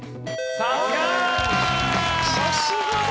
さすがだ。